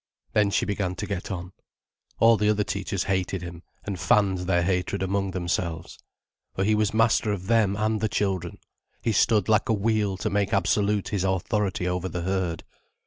Then she began to get on. All the other teachers hated him, and fanned their hatred among themselves. For he was master of them and the children, he stood like a wheel to make absolute his authority over the herd.